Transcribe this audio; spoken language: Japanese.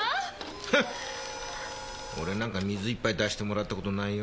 へっ俺なんか水一杯出してもらったことないよ。